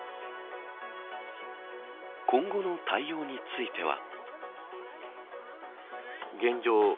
今後の対応については。